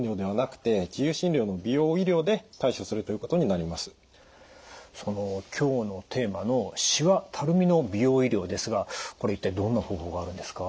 あくまでもその今日のテーマのしわ・たるみの美容医療ですがこれ一体どんな方法があるんですか？